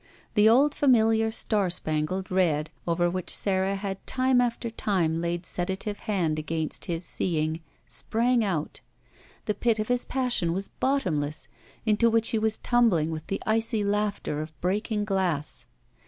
The old familiar star spangled red over whidi Sara had time after time laid sedative hand against his seeing, sprang out. The pit of his passion was bottomless, into which he was tumbling with the icy laughter of breaking glass.